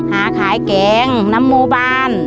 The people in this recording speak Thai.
หาขายแกงน้ำหมู่บ้าน